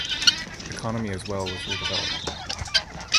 Economy as well was re-developed.